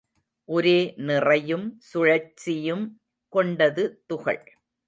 ஒரே நிறையும் சுழற்சியும் கொண்ட துகள்.